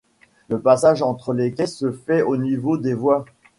Le passage entre les quais se fait au niveau des voies.